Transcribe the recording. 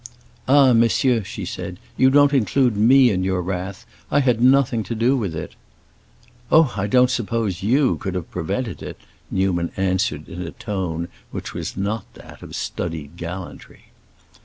"Ah, monsieur," she said, "you don't include me in your wrath? I had nothing to do with it." "Oh, I don't suppose you could have prevented it!" Newman answered in a tone which was not that of studied gallantry.